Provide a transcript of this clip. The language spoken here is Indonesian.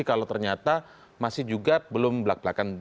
kalau ternyata masih juga belum belak belakan